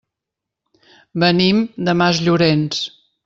Venim de Masllorenç.